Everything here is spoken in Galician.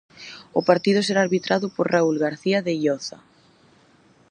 O partido será arbitrado por Raúl García de loza.